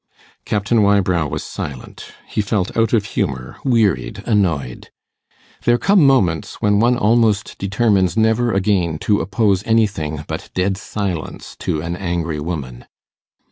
Captain Wybrow was silent. He felt out of humour, wearied, annoyed. There come moments when one almost determines never again to oppose anything but dead silence to an angry woman.